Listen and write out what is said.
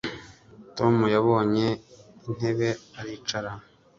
Tom yabonye intebe aricara